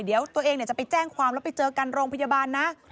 เดี๋ยวตัวเองจะไปแจ้งความแล้วไปเจอกันโรงพยาบาลนะ